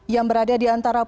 yang berada di antara